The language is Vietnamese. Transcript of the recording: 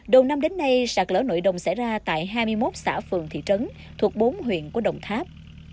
đầu năm đến nay sạt lỡ nội đồng xảy ra tại hai mươi một xã phường thị trấn thuộc bốn huyện của đồng tháp